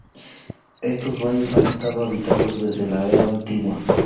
Estos valles han estado habitados desde la edad antigua.